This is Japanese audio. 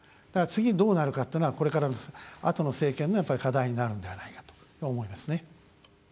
次、どうなるかというのはこれからあとの政権の課題になるんではないかと思いますね。